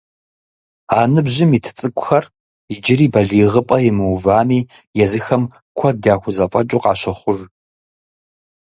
А ныбжьым ит цӏыкӏухэр иджыри балигъыпӏэ имыувами, езыхэм куэд яхыззфӏэкӏыу къащохъуж.